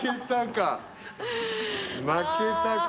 負けたか。